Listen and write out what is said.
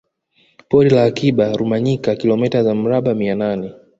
Pori la Akiba Rumanyika kilomita za mraba mia nane